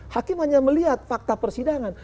hakim hanya melihat fakta persidangan